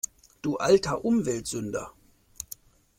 Du alter Umweltsünder!